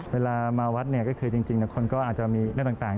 เวลามาวัดเนี่ยก็คือจริงคนก็อาจจะมีเรื่องต่าง